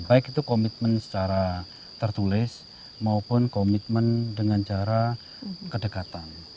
baik itu komitmen secara tertulis maupun komitmen dengan cara kedekatan